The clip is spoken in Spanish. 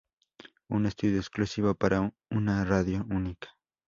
Un estudio exclusivo para una radio única.